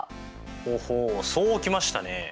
ほほそう来ましたね！